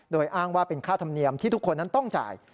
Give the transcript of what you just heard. โดยอ้างว่าเป็นค่าธรรมเนียมที่ทุกคนนั้นต้องจ่าย